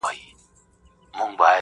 نور به وه ميني ته شعرونه ليكلو,